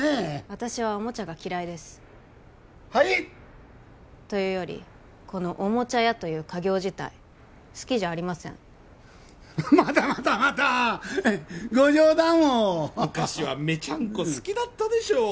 私はおもちゃが嫌いですはい？というよりこのおもちゃ屋という家業自体好きじゃありませんまたまたまたご冗談を昔はメチャンコ好きだったでしょう？